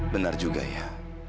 benar juga ya